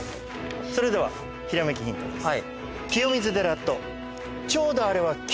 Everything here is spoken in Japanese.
それではひらめきヒントです。